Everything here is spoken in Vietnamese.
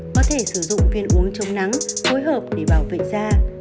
có thể sử dụng viên uống chống nắng phối hợp để bảo vệ da